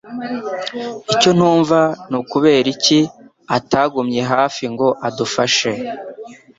Icyo ntumva ni ukubera iki atagumye hafi ngo adufashe.